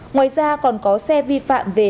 ngoài ra còn có xe vi phạm về